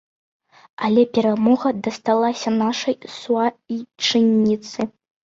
Але перамога дасталася нашай суайчынніцы.